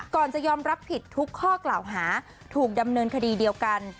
จะยอมรับผิดทุกข้อกล่าวหาถูกดำเนินคดีเดียวกัน